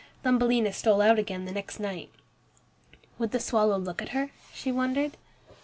Thumbelina stole out again the next night. "Would the swallow look at her," she wondered.